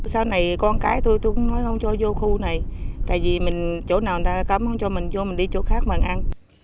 sau này con cái tôi cũng nói không cho vô khu này tại vì chỗ nào người ta cấm không cho mình vô mình đi chỗ khác mà ăn